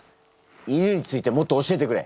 犬についてもっと教えてくれ。